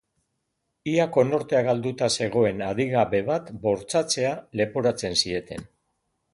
Ia konortea galduta zegoen adingabe bat bortxatzea leporatzen zieten.